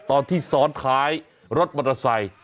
ตอนที่ซ้อนท้ายรถมอเตอร์ไซค์